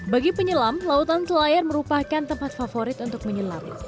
bagi penyelam lautan selayar merupakan tempat favorit untuk menyelam